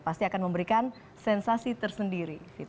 pasti akan memberikan sensasi tersendiri